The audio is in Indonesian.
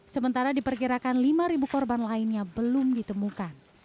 sementara diperkirakan lima korban lainnya belum ditemukan